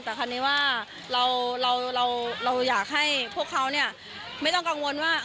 แต่คราวนี้ว่าเราอยากให้พวกเขาไม่ต้องกังวลว่า